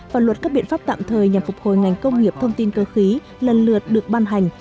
và luật các biện pháp tạm thời nhằm phục hồi ngành công nghiệp thông tin cơ khí lần lượt được ban hành